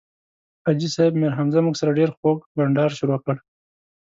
حاجي صیب میرحمزه موږ سره ډېر خوږ بنډار شروع کړ.